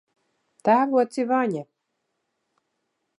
Tēvoci Vaņa!